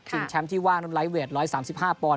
แชมป์ที่ว่ารุ่นไลท์เวท๑๓๕ปอนด